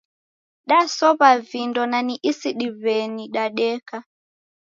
Dasow'a vindo na ni isidiweni dadeka